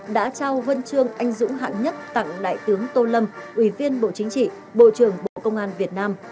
đã trao huân chương anh dũng hạng nhất tặng đại tướng tô lâm ủy viên bộ chính trị bộ trưởng bộ công an việt nam